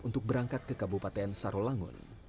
untuk berangkat ke kabupaten sarolangun